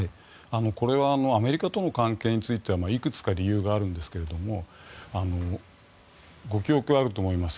これはアメリカとの関係についてはいくつか理由があるんですがご記憶があると思います